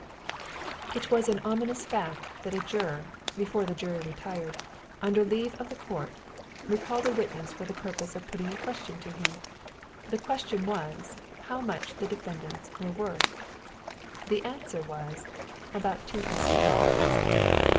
It was an ominous fact that a juror, before the jury retired, under leave of the court, recalled a witness for the purpose of putting a question to him: the question was how much the defendants were worth; the answer was, about two thousand dollars.